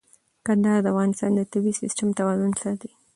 کندهار د افغانستان د طبعي سیسټم توازن ساتي.